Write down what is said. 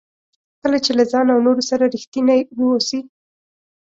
کله چې له ځان او نورو سره ریښتیني واوسئ.